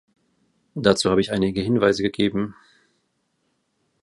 Dazu habe ich einige Hinweise gegeben.